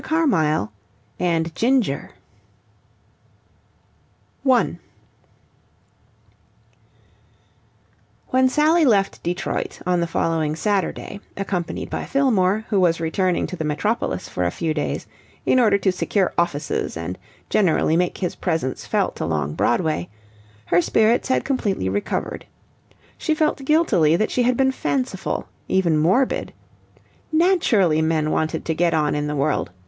CARMYLE AND GINGER 1 When Sally left Detroit on the following Saturday, accompanied by Fillmore, who was returning to the metropolis for a few days in order to secure offices and generally make his presence felt along Broadway, her spirits had completely recovered. She felt guiltily that she had been fanciful, even morbid. Naturally men wanted to get on in the world.